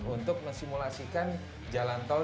untuk mensimulasikan jalan tol